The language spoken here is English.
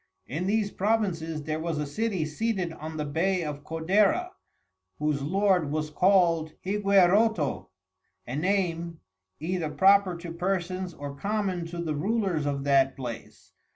In these Provinces, there was a City seated on the Bay of Codera, whose Lord was call'd Higueroto, a Name, either proper to Persons or common to the Rulers of that Place.